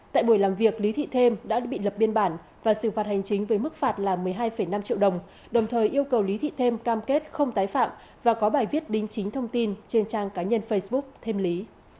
tại buổi làm việc lý thị thêm đã bị lập biên bản và xử phạt hành chính với mức phạt là một mươi hai năm triệu đồng đồng thời yêu cầu lý thị thêm cam kết không tái phạm và có bài viết đính chính thông tin trên trang cá nhân facebook thêm lý